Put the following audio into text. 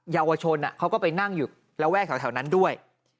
เยาวชนเขาก็ไปนั่งอยู่ระแวกแถวนั้นด้วย